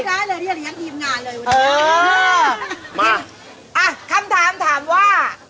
ไม่ได้เลยเรียนทีมงานเลยมาอ้าคำถามถามว่า